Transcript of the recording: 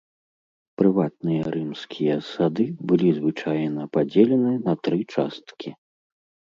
Прыватныя рымскія сады былі звычайна падзелены на тры часткі.